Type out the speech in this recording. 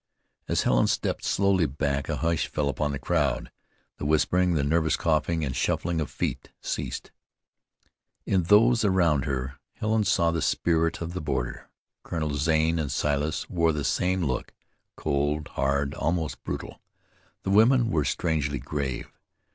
As Helen stepped slowly back a hush fell upon the crowd. The whispering, the nervous coughing, and shuffling of feet, ceased. In those around her Helen saw the spirit of the border. Colonel Zane and Silas wore the same look, cold, hard, almost brutal. The women were strangely grave.